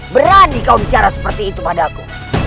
berani kau bicara seperti itu pada aku